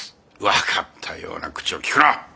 分かったような口をきくな！